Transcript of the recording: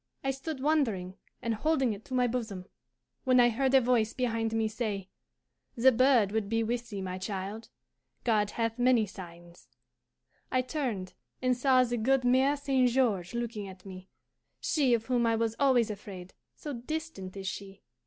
I stood wondering and holding it to my bosom, when I heard a voice behind me say, 'The bird would be with thee, my child. God hath many signs.' I turned and saw the good Mere St. George looking at me, she of whom I was always afraid, so distant is she.